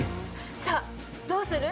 さあどうする？